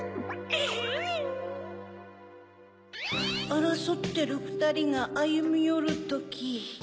あらそってるふたりがあゆみよるとき。